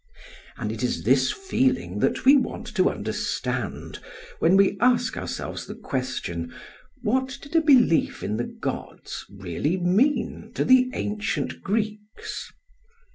And it is this feeling that we want to understand when we ask ourselves the question, what did a belief in the gods really mean to the ancient Greeks?